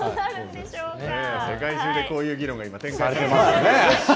世界中でこういう議論が展開されてますね。